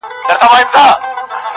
• سمدستي سوله مېړه ته لاس ترغاړه -